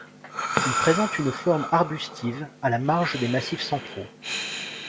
Il présente une forme arbustive à la marge des Massifs Centraux.